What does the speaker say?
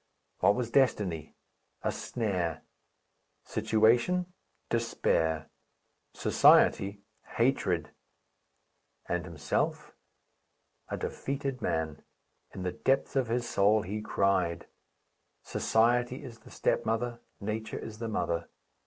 What was destiny? A snare. Situation? Despair. Society? Hatred. And himself? A defeated man. In the depths of his soul he cried. Society is the stepmother, Nature is the mother.